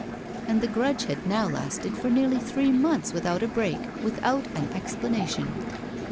And the grudge had now lasted for nearly three months without a break, without an explanation.